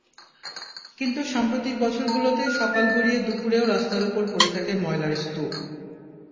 কিন্তু সাম্প্রতিক বছরগুলোতে সকাল গড়িয়ে দুপুরেও রাস্তার ওপর পড়ে থাকে ময়লার স্তূপ।